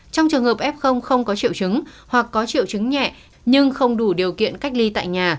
trong trường hợp f không có triệu chứng hoặc có triệu chứng nhẹ nhưng không đủ điều kiện cách ly tại nhà